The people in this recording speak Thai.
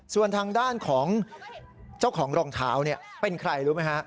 ส่วนทางด้านของเจ้าของรองเท้าเป็นใครรู้ไหมฮะ